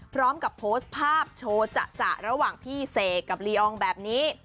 พร้อมกับโพสต์ภาพโชว์จะระหว่างพี่เสกกับลีอองแบบนี้